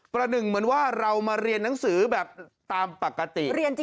ประหนึ่งเหมือนว่าเรามาเรียนหนังสือแบบตามปกติ